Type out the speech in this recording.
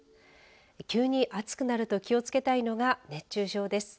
急に暑くなると気を付けたいのが熱中症です。